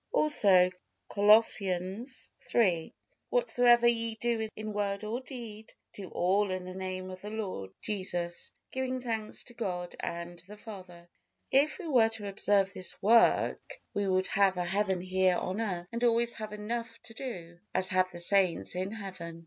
Also Colossians iii: "Whatsoever ye do in word or deed, do all in the Name of the Lord Jesus, giving thanks to God and the Father." If we were to observe this work, we would have a heaven here on earth and always have enough to do, as have the saints in heaven.